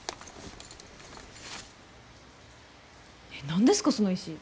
何ですかその石。